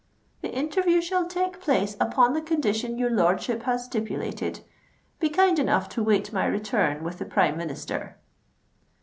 "The Interview shall take place upon the condition your lordship has stipulated. Be kind enough to await my return with the Prime Minister."